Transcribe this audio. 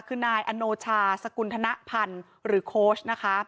คือนายอโนชาสกุลธนพันธ์หรือโค้ชนะคะ